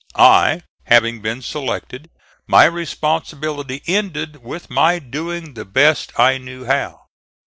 I having been selected, my responsibility ended with my doing the best I knew how.